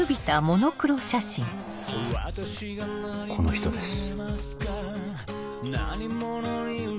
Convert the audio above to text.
この人です。